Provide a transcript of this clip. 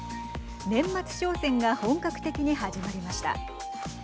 年末商戦が本格的に始まりました。